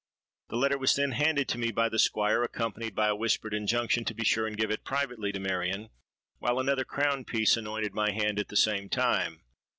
The letter was then handed to me by the Squire, accompanied by a whispered injunction to be sure and give it privately to Marion; while another crown piece anointed my hand at the same time.